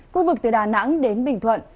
khu vực từ đà nẵng đến bình thuận